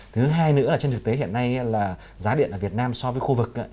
thứ hai nữa là trên thực tế hiện nay là giá điện ở việt nam so với khu vực